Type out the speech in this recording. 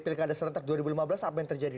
pilkada serentak dua ribu lima belas apa yang terjadi